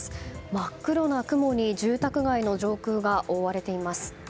真っ黒な雲に住宅街の上空が覆われています。